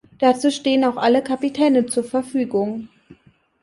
Dazu stehen auch alle Kapitäne zur Verfügung.